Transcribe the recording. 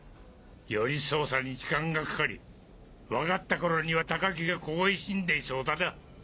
より捜査に時間がかかり分かった頃には高木が凍え死んでいそうだな。